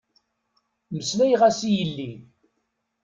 Meslayeɣ-as i yelli.